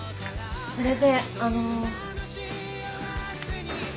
それであの。